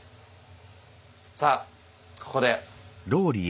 さあここで。